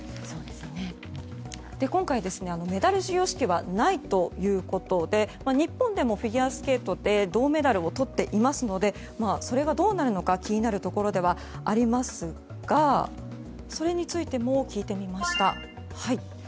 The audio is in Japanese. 今回メダル授与式はないということで日本でもフィギュアスケート銅メダルをとっていますのでそれがどうなるのか気になるところではありますがそれについても聞いてみました。